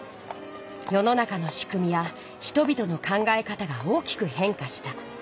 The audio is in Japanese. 世の中のしくみや人々の考え方が大きくへんかした。